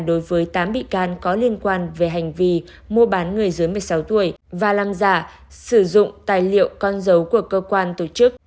đối với tám bị can có liên quan về hành vi mua bán người dưới một mươi sáu tuổi và làm giả sử dụng tài liệu con dấu của cơ quan tổ chức